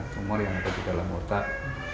tumor yang ada di dalam otak